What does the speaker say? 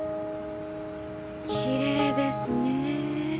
きれいですね。